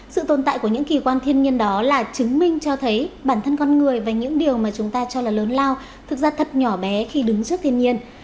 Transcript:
sự tồn tại của những kỳ quan thiên nhiên đó là chứng minh cho thấy bản thân con người và những điều mà chúng ta cho là lớn lao thực ra thật nhỏ bé khi đứng trước thiên nhiên